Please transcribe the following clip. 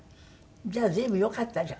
じゃあ随分よかったじゃない。